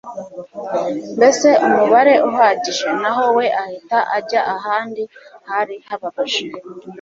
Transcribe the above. mbese umubare uhagije, naho we ahita ajya ahandi hari hababaje